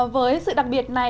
với sự đặc biệt này